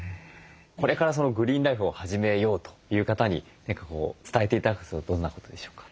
これからグリーンライフを始めようという方に何か伝えて頂くとするとどんなことでしょうか？